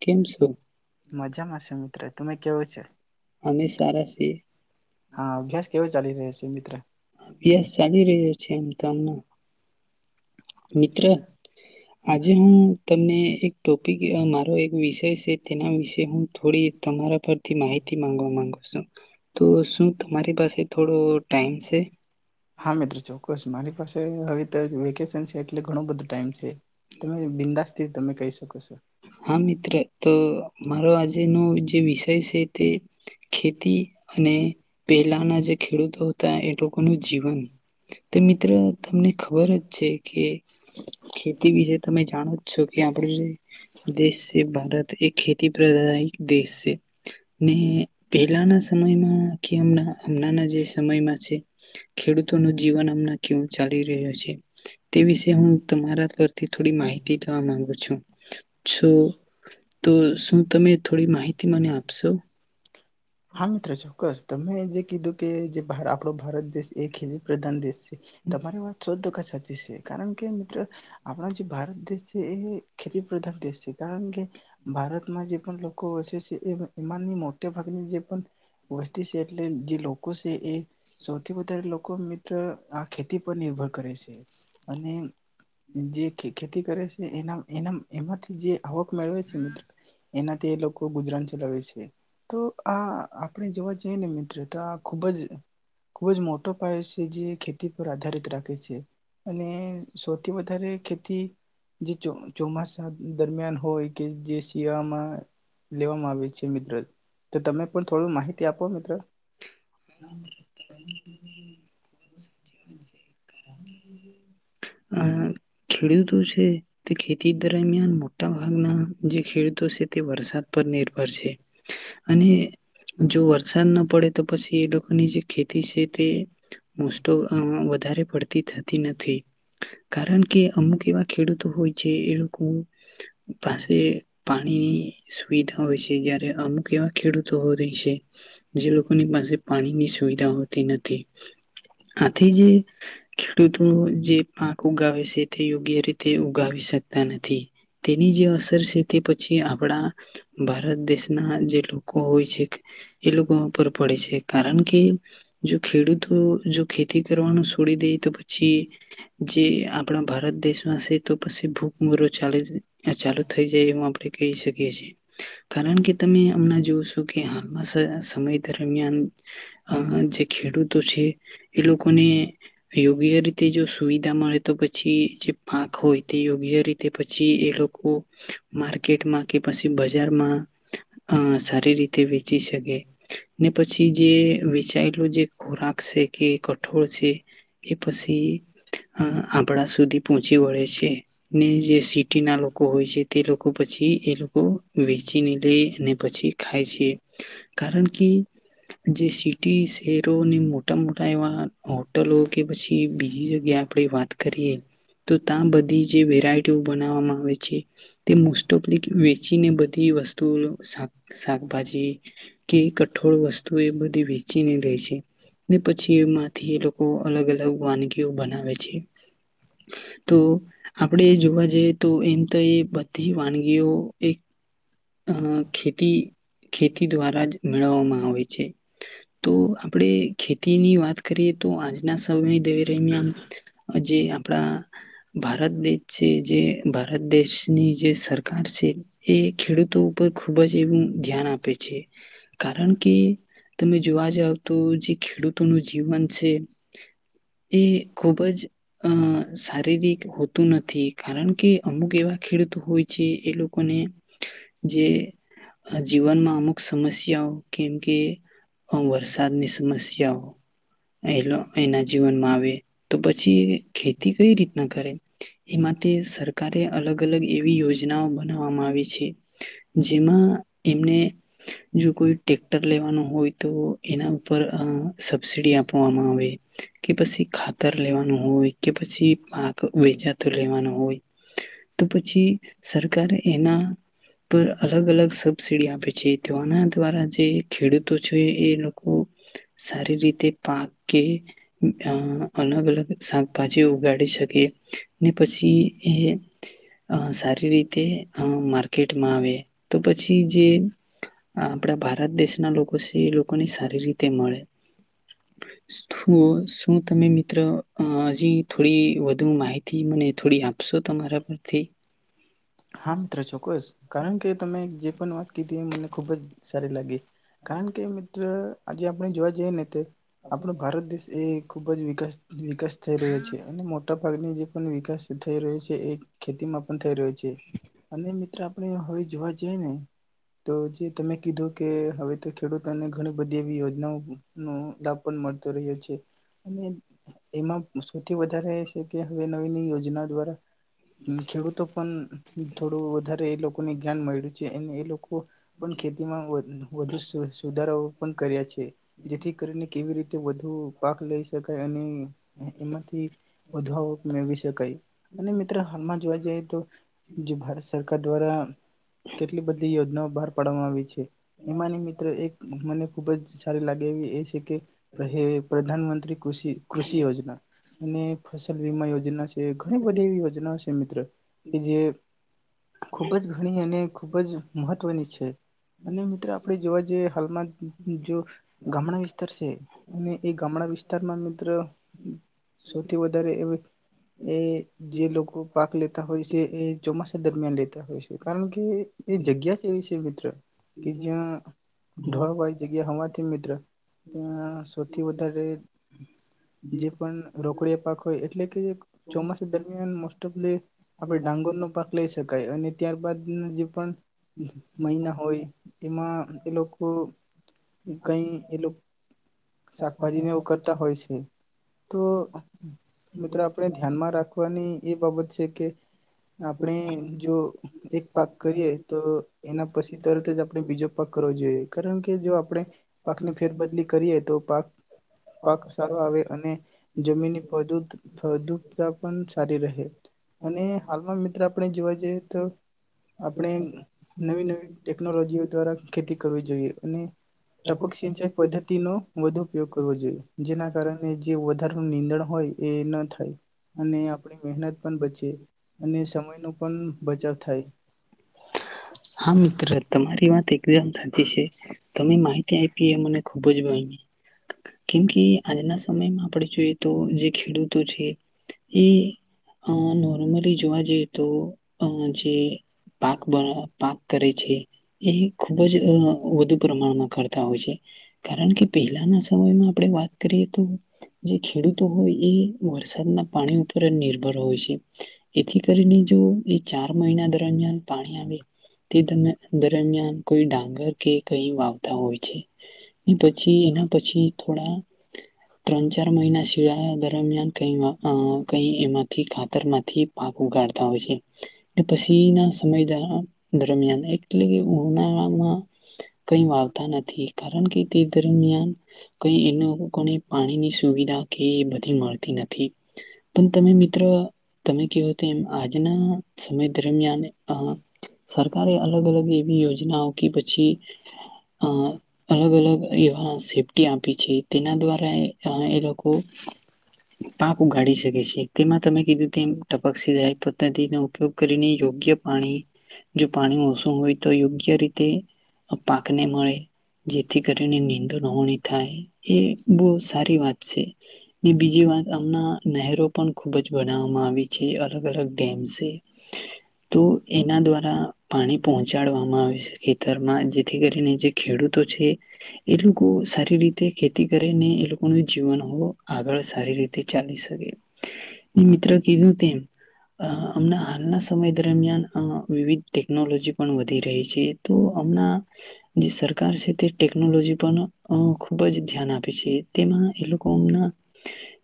કેમ છો. મજામાં છે મિત્ર તમે કેવો છે. અમે સારા છીએ. મિત્રા. [unintelligible] અભ્યાસ ચાલી રહ્યો છે એમ તના મિત્ર આજે હું તમને એક મારો એક વિષય છે તેના વિશે હું થોડી તમારા પરથી માહિતી માંગવા માંગુ છું તો શું તમારી પાસે થોડો ટાઈમ છે. હા મિત્ર ચોકકસ. મારી પાસે હવે તો વેકેશન છે એટલે ઘણું બધું ટાઈમ છે. તમે બિંદાસ તેથી તમે કહી શકો છો હા મિત્ર તો મારો આજેનો જે વિષય છે તે ખેતી અને પહેલાના જે ખેડૂતો હતા એ લોકોનું જીવન તો મિત્ર તમને ખબર જ છે કે ખેતી વિશે તમે જાણો જ છો કે આપડું જે દેશ છે ભારત એક ખેતી પ્રાદાયિક દેશ છે. ને પહેલાના સમયમાં કેમ હમનાના જે સમયમાં છે ખેડૂતોનું જીવન હમ કેવું ચાલી રહ્યું છે તે વિશે હું તમારા પરથી થોડી માહિતી લેવા માંગુ છું. છો તો શું તમે થોડી માહિતી મને આપશો. હા મિત્રો ચોક્કસ તમે જે કીધું કે જે આપણો ભારત દેશ એક જ પ્રધાન દેશ છે. તમારી વાત શો દુઃખાશે સચ છે કારણ કે મિત્રો આપણા જે ભારત દેશ છે એ ખેતી પ્રધાન દેશ છે કારણ કે ભારતમાં જે પણ લોકો વસે છે એ એમાંની મોટા ભાગની જે વસ્તી છે એટલે જે લોકો છે એ સૌથી વધારે લોકો મિત્ર આ ખેતી પર નિર્ભર કરે છે અને જે ખેતી કરે છે એના એના એમાંથી જે. આવક મેળવે છે મિત્ર. એનાથી એ લોકો ગુજરાન ચલાવે છે તો. આ આપણે જોવા જઈએ ને મિત્ર તો આ ખૂબ જ ખૂબ જ મોટો પાયો છે જે ખેતી પર આધારિત રાખે છે અને સૌથી વધારે ખેતી જે ચોમાસા દરમિયાન હોય કે જે શિયાળામાં લેવામાં આવે છે મિત્ર. તો તમે પણ થોડું માહિતી આપો મિત્ર હ [inaudible] આ ખેડૂતો છે તે ખેતી દરમિયાન મોટા. [unintelligible] જે ખેડૂતો છે તે વરસાદ. પર નિર્ભર છે અને જો વરસાદ ના પડે તો પછી એ લોકોની જે ખેતી છે તે. મુસ્ત. વધારે પડતી થતી નથી કારણ કે અમુક એવા ખેડૂતો હોય છે એ પાસે પાણીની સુવિધા હોય છે જયારે અમુક ખેડૂતો પાસે પાણી ની સુવિધા હોતી નથી આથી જે ખેડૂતો જે પાક ઉગાવે છે તે યોગ્ય રીતે ઉગાવી ટકતા નથી તેની જે અસર છે તે પછી આપણા ભારત દેશના જે લોકો હોય છે એ લોકો પર પડે છે કારણ કે જો ખેડૂતો જો ખેતી કરવાનું છોડી દે તો પછી જે આપણા ભારત દેશવાસી તો પછી ભૂકમરો ચાલે છે આ ચાલુ થઈ જાય એવું આપણે કહી શક કે છે કારણ કે તમે અમણાં જો છો કે હાલમાં સમય દરમિયાન અ જે ખેડૂતો છે એ લોકોને એવુ યોગ્ય રીતે જો સુવિધા મળે, તો પછી જે પાક હોય તે યોગ્ય રીતે પછી, એ લોકો માર્કેટમાં કે પછી બજારમાં અ સારી રીતે વેચી શકે. ને પછી જે વેચાયેલો જે ખોરાક છે કે કઠોળ છે એ પછી આપડા સુધી પહોંચી વળે છે. ને જે સિટીના લોકો હોય છે, તે લોકો પછી એ લોકો વેચીને લે અને પછી ખાય છે. કારણ કે જે સિટી શહેરોને મોટા મોટા ટા એવા હોટલો, કે પછી બીજી જગ્યાએ આપણે વાત કરીએ તો તાં બધી જે વેરાયટી ટીઓ બનાવવામાં આવે છે તે મોસ્ટ ઓફલી કે વેચીને બધી વસ્તુઓનું ષા શાકભાજી કે કઠોળ વસ્તુ એ બધી વેચીને લેય છે. [unintelligible] પછી એમાંથી એ લોકો અલગ અલગ વાનગીઓ બનાવેે છે. તો આપણેે જોવા જઈએ તો એમ તો એ બધી વાનગીઓ એક અ ખેતી ખેતી દ્વારા જ મેળવવામાં આવે છે તો આપણેે અહ ખેતી ખેતી દ્વારા જ મેળવવામાં આવે છે. તો આપડે ખેતીની વાત કરીએ તો આજના સમય [unintelligible] દરમિયાન જે આપણા ભારત દેશ છે. જે ભારત દેશની જે સરકાર છે. એ ખેડૂતો ઉપર ખૂબ જ એવું ધ્યાન આપે છે. કારણ કે તમે જોવા જાવ તો જે ખેડૂતોનું જીવન છે. એ ખુબ જ અ શારીરિક હોતું નથી, કારણ કે અમુક એવા ખેડૂત હોય છે. એ લોકોને જે જીવનમાં અમુક સમસ્યાઓ કેમ કે વરસાદની સમસ્યાઓ [unintelligible] એના જીવનમાં આવે તો પછી એ ખેતી કઈ રીતના કરે, એ માટે સરકારે અલગ અલગ એવી યોજનાઓ બનાવવામાં આવી છે. [unintelligible] જેમાં એમને જો કોઈ ટેક્ટર લેવાનું હોય તો એના ઉપર અહ સબસીડી આપવામાં આવે કે પછી ખાતર લેવાનું હોય. કે પછી પાક વેચાતું લેવાના હોય. [inaudible] તો પછી સરકારે એના પર અલગ અલગ સબસી આપે છે તો આના દ્વારા જે ખેડૂતો છે એ લોકો સારી રીતે પાક કે અ અલગ અલગ શાકભાજી ઉગાડી શકે. ને પછી એ અ સારી રીતે માર ટમાં આવે તો પછી જે આપણા ભારત દેશના લોકો છે એ લોકોને સારી રીતે મળે. શું તમે મિત્ર હજી થોડી વધુ માહિત થી મને થોડી આપશો તમારા પરથી હા મિત્ર ચોકકસ. કારણ કે તમે જે પણ વાત કીધી એ મને ખુબ જ સારી લાગી કારણ કે મિત્ર આજે આપણે જોવા જઈએ ને તે આપણ ભારત દેશ એ ખૂબ જ વિકાસ વિકાસ થઈ રહ્યો છે અને મોટા ભાગની જે પણ વિકાસ થઈ રહ્યો છે એ ખેતીમાં પણ થઈ રહ્યો છે. અને મિત્ર આપણે હવે જોવા જઈએ ને તો જે તમે કીધું કે હવે તો ખેડૂતોને ઘણી બધી એવી યોજનાઓ નો લાભ પણ મળતો રહ્યો છે અને એમાં સૌથી વધારે એ છે કે હવે નવી નવી યોજના દ્વારા ખેડૂતો પણ થોડું વધારે એ લોકોને જ્ઞાન મળ્યું છે અને એ લોકો પણ ખેતીમાં વધુ સુધારા પણ કર્યા છે જેથી કરીને કેવી રીતે વધુ પાક લઈ શકાય અને એમાંથી વધુ મેળવી શકાય. અને મિત્રો હાલમાં જોવા જઈ. તો જે ભારત સરકાર દ્વારા કેટલી બધી યોજનાઓ બહાર કડવામાં આવી છે. એમાં મિત્ર એક મ ખુબ જ સારી લાગે એવી એ કે પ્રધાનમંત્રી ક કૃષિ યોજના અને ફસલ વીમા યોજના છે ઘણી બધી એવી યોજનાઓ છે મિત્ર કે જે ખૂબ જ ઘણી અને ખૂબ જ મ હત્વની છે. અને મિત્ર, આપણે જોવા જઈએ હાલમાં, જો ગામડા વિસ્તાર સે, અને એ ગામડા વિસ્તારમાં મિત્ર સૌથી વધારે એ એ જે લોકો પાક લેતા હોય છે એ. ચોમાસા દરમિયાન લેતા હોય છે, કારણ કે એ જગ્યા જ એવી છે મિત્ર કે જ્યાં ઢોળાવ વાળી જગ્યા હોવાથી મિત્ર. ત્યાં સૌથી વધારે જે પણ રોકડીયા પાક હોય એટલે કે. ચોમાસા દરમિયાન મોસ્ટ ઓફ જે આપણે ડાંગરનો. લઈ શકાય અને ત્યારબાદ જે પણ. [unintelligible] મહિલા હોય. એમાં એ લોકો કઈ એ લોક શાકભાજી ને એવું કરતા હોય છે. તો મિત્રો આપણે ધ્યાનમાં રાખવાની એ બાબત છે કે. આપણે જો એક પાક કરીએ તો એના પછી તરત જ આપણે બીજો પાક કરવો જોઈએ કારણ કે જો આપણે પાકની ફેરબદલી કરીએ તો પાક પાક સારો આવે અને જમીનની ફળદ્રુપ ફળદ્રુપતા પણ સારી રહે અને હાલમાં આપણે જોવા જઈએ તો આપણે નવી નવી ટેકનોલોજીઓ દ્વારા ખેતી કરવી જોઈએ અને ટપક સિંચાઈ પદ્ધતિનો [unintelligible] ઉપયોગ કરવો જોઈએ. જેના કારણે જ. જે વધારે નીંદણ હોય એ ન થાય. અને આપણી મહેનત પણ બચે અને. સમય ન પણ બચાવ થાય. હા મિત્ર તમારી વાત એકદમ સાચી છે. તમે માહિતી આયપી એ મને ખૂબ જ ભ કેમ કે આજના સમયમાં. આપણે જોઈએ તો જે ખેડૂતો છે. એ અ નોર્મલી જોવા જઈએ તો અ જે પાક. કરે છે. એ ખૂબ જ વધુ પ્રમાણમાં કરતા હોય છે. કારણ કે પહેલાના સમયમાં આપણે વાત. કરીએ તો. જે ખેડૂતો હોય એ વરસાદના પાણી ઉપર જ નિર્ભ હોય છે એથી કરીને જો. ચાર મહિના દરમિયાન. પાણી આવે તે દરમિયાન દરમિયાન કોઈ ડાંગર કે કઈ વાવતા હોય છે. ને પછી, એના પછી, થોડા ત્રણ ચાર મહિના શિયાળા દ દરમિયાન કંઈ કંઈ એમાંથી ખાતરમાંથી પાક ઉગાડતા હોય છે. ને પછીના સમય દ દરમિયાન, એટલે ઉનાળામાં કંઈ વાવતા નથી, કારણ કે તે દરમિયાન કંઈ એ લોકો લોકોને પાણીની સુવિધા કે એ બધી મળતી નથી. પણ તમે મિત્રો તમે કેવો તો એમ આજના સમય દરમિયાન સરકારે અલગ અલગ એવી યોજનાઓ પછી અ અલગ અલગ એવા સેફ્ટી આપી છે, તેના દ્વાર આ એ લોકો લોકો પાક ઉગાડી શકે છે, તેમાં તમે કીધું પક્ષીદાય પદ્ધતિનો ઉપયોગ કરીને યોગ્ય પાણી જો પાણી મોસુમ હોય તો યોગ્ય ય રીતે પાકને મળે જેથી કરીને નિંદુ નહણી થાય, એ બહુ સારી વાત છે, બીજી વાત હમણા નહેરો પણ ખુબ જ બનાવવામાં આવી છે, અલગ અલગ ડેમ્સ તો એના દ્વારા પાણી પહોંચાડવામાં આવે છે ખેતરમાં, જેથી કરીને જે ખેડૂતો છે એ લોકો સારી રીતે ખેતી કરેને એ લોકોનું જીવન આગળ સારી રીતે ચાલી શકે, મિત્ર કીધું તેમ હમણા હાલના સમય દરમિયાન વિવિધ ટેકનોલોજી પણ વધી રહી છે, તો હમણાં જે સરકાર છે, તે ટેકનોલોજી પણ ખૂબ જ ધ્યાન આપે છે, તેમાં એ લોકોમના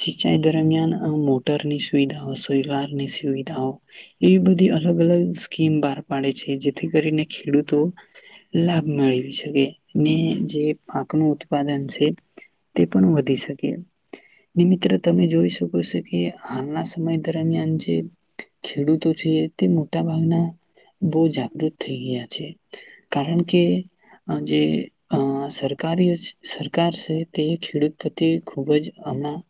સિંચાઈ દરમિયાન મોટરની સુવિધાઓ સોવારની સુવિધાઓ એવી બધી અલગ અલગ સ્કીમ બહાર પાડે છે, જેથી કરીને ખેડૂતો લાભ મેળવી શકે. ને જે પાક નું ઉત્પાદન છે. તે પણ વધી શકે ને મિત્રો તમે જોઈ શકો કે હાલના સમય દરમિયાન જે ખેડૂતો છે, તે મોટા ભાગના બહુ જાગૃત થઈ ગયા. છે, કારણ કે જે અ સરકારી સરકાર છે, તે ખેડૂત પ્રત્યે ખૂબ જ હમણાં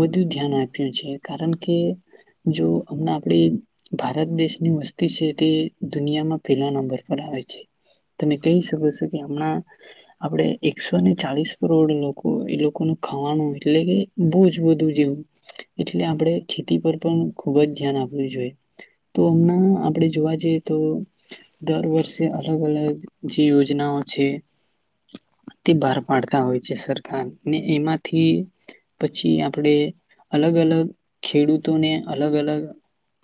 વધુ ધ્યાન આપ્યું છે. કારણ કે, જો હમણા આપણે ભારત દેશની વસ્તુ છે તે દુનિ દુનિયામાં પેલા નંબર પર આવે છે. તમે કહી શકો છો, કે હમણાં આપણેે એકસોને ચાલીસ કરોડ લોકો, એ લોકોનું ખાવાનું, એટલે કે બહુ જ બધું જેવું. એટલે આપણેે ખેતી પર પણ ખૂબ જ ધ્યાન આપવું જોઈએ. તો હમના આપણેે જોવા જઈએ તો દર વર્ષે અલગ અલગ જે યોજનાઓ છે તે બહાર પાડતા હોય છે સર કાર. ને એમાંથી પછી આપણેે અલગ અલગ ખેડૂતોને, અલગ અલગ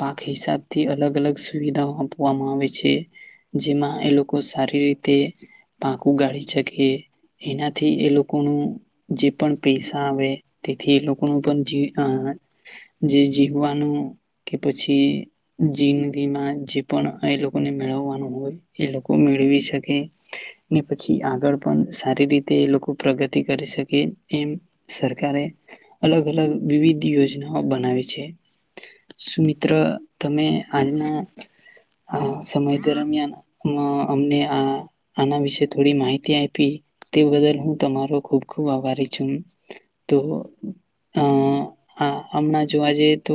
પાક હિસાબથી, અલગ અલગ સુવિધાઓ આપવામાં આવે છે જેમાં એ લોકો સારી રીતે પાંખું ગાળી શકે એનાથી એ લોકોનું જે પણ પૈસા આવે તેથી એ લોકોનું પણ જે જીવવાનું કે પછી જીન જે પણ એ લોકોને મેળવવાનું હોય એ લોકો મેળવી શકે. ને પછી આગળ પણ સારી રીતે લોકો પ્રગતિ કરી શકે એમ સરકારે અલગ અલગ વિવિધ બ યોજનાઓ બનાવી છે. સુમિત્ર તમે આજના સમય દરમિયાન અમને આના વિશે થોડી માહિતી આપી તે બદલ હું તમારો ખુબ ખુબ આભારી છું. તો અ આ હમણાં જોવા જઈએ તો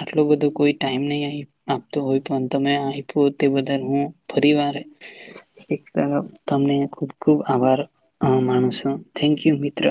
આટલુ બધું કોઈ ટાઈમ નય આય આપતો હોય પણ તમે આયપ તો તે બદલ હું ફરી વારે એક તરફ, તમને ખૂબ ખૂબ આભાર અં માનું છું. થેન્ક યુ મિત્ર.